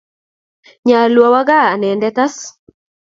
Nyalu awo kaa anendet as.